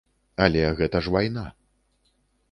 Але гэта ж вайна.